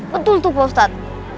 betul tuh pak ustaz